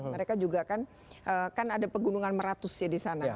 mereka juga kan ada pegunungan meratus ya disana